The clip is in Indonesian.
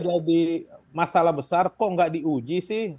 maka saya berpikir masalah besar kok tidak diuji sih